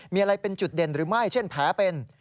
มีอะไรเป็นจุดเด่นหรือไม่เช่นแผลเป็น